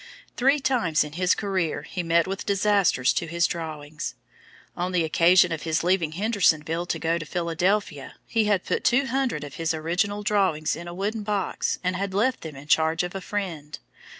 Three times in his career he met with disasters to his drawings. On the occasion of his leaving Hendersonville to go to Philadelphia, he had put two hundred of his original drawings in a wooden box and had left them in charge of a friend.